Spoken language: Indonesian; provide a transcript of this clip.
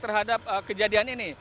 terhadap kejadian ini